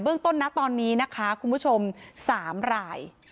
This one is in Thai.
เบื้องต้นนะตอนนี้นะคะคุณผู้ชม๓หลาย